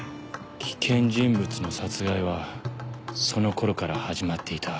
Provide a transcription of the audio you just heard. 危険人物の殺害はそのころから始まっていた。